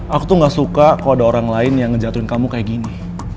aku tuh gak suka kalau ada orang lain yang ngejatuhin kamu kayak gini